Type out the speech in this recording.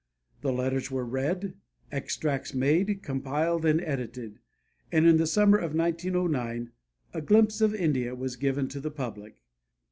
The letters were read, extracts made, compiled and edited; and in the summer of 1909 "A Glimpse of India" was given to the public.